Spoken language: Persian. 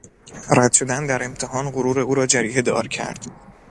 رد شدن در امتحان غرور او را جریحهدار کرد.